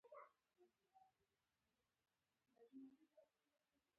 د طبیعي زیرمو نه ګټه اخیستل د پرمختیا مخه نیسي.